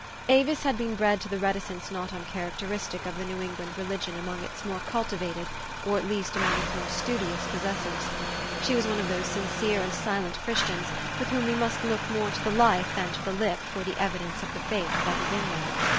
Avis had been bred to the reticence not uncharac teristic of the New England religion among its more cultivated, or at least, among its more studious pos sessors. She was one of those sincere and silent Christians with whom we must look more to the life than to the lip for the evidence of the faith that is in them.